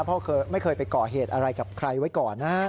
เพราะไม่เคยไปก่อเหตุอะไรกับใครไว้ก่อนนะฮะ